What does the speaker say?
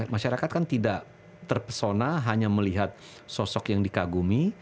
masyarakat kan tidak terpesona hanya melihat sosok yang dikagumi